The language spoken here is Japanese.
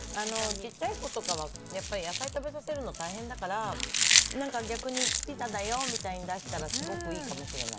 ちっちゃい子とか野菜を食べさせるの大変だから逆にピザだよみたいに出したら、すごくいいかもしれない。